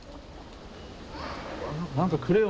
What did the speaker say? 「何かくれよ！」